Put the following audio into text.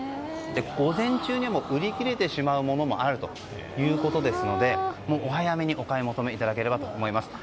午前中に売り切れてしまうものもあるということですのでお早めにお買い求めいただければと思います。